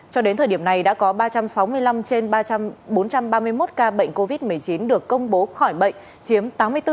cho đến thời điểm này đã có ba trăm sáu mươi năm trên ba bốn trăm ba mươi một ca bệnh covid một mươi chín được công bố khỏi bệnh chiếm tám mươi bốn